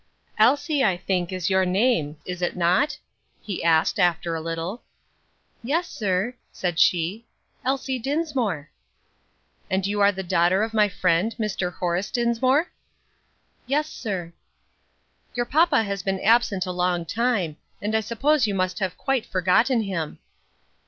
"Elsie, I think, is your name, is it not?" he asked after a little. "Yes, sir," said she, "Elsie Dinsmore." "And you are the daughter of my friend, Mr. Horace Dinsmore?" "Yes, sir." "Your papa has been absent a long time, and I suppose you must have quite forgotten him."